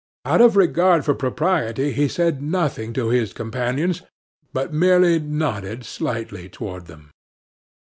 Out of regard for propriety he said nothing to his companions, but merely nodded slightly toward them.